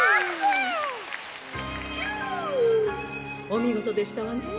「キュおみごとでしたわね。